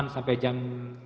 sampai jam lima belas